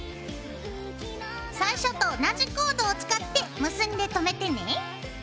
最初と同じコードを使って結んでとめてね。